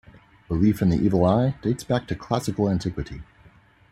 Belief in the evil eye dates back to Classical antiquity.